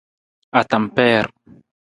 Atampeer.